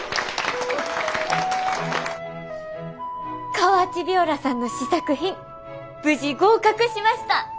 カワチ鋲螺さんの試作品無事合格しました！